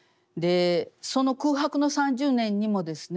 その空白の３０年にもですね